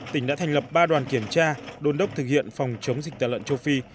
tỉnh đã thành lập ba đoàn kiểm tra đôn đốc thực hiện phòng chống dịch tả lợn châu phi